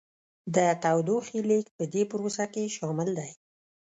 د تودوخې لیږد په دې پروسه کې شامل دی.